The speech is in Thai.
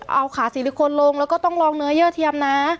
เอาขาซีลิโคนลงแล้วก็ต้องลองเนื้อเยอร์เทียมนะ